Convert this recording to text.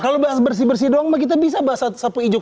kalau bahas bersih bersih doang kita bisa bahas sapu ijuk